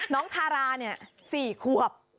น้องธาราเนี่ย๔ควับ